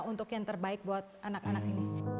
untuk yang terbaik buat anak anak ini